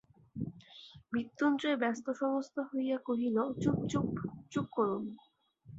মৃত্যুঞ্জয় ব্যস্তসমস্ত হইয়া কহিল, চুপ, চুপ, চুপ করুন!